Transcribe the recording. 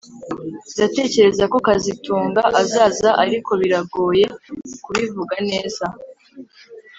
Ndatekereza ko kazitunga azaza ariko biragoye kubivuga neza